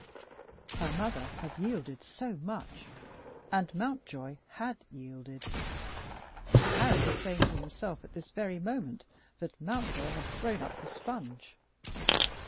Her mother had yielded so much, and Mountjoy had yielded. Harry was saying to himself at this very moment that Mountjoy had thrown up the sponge.